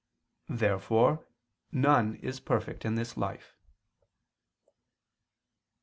Therefore none is perfect in this life.